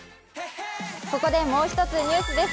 ここでもう１つニュースです。